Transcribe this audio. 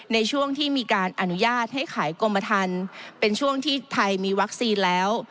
ในช่วงที่มีการอนุญาตให้ขายกรมทันเป็นช่วงที่ไทยมีวัคซีนแล้ว